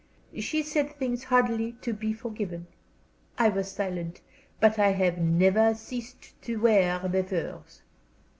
She said things hardly to be forgiven. I was silent. But I have never ceased to wear the furs."